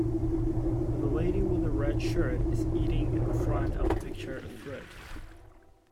The lady with the red shirt is eating in front of the picture of fruit.